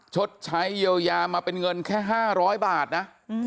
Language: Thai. ชดใช้เยียวยามาเป็นเงินแค่๕๐๐บาทนะ